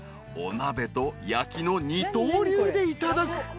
［お鍋と焼きの二刀流でいただく］